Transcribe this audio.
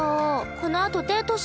このあとデートしません？